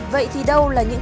vậy thì đâu là những